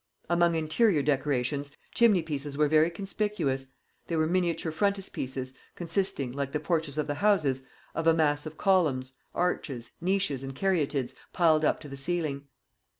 Among interior decorations, chimney pieces were very conspicuous: they were miniature frontispieces, consisting, like the porches of the houses, of a mass of columns, arches, niches and caryatids, piled up to the ceiling.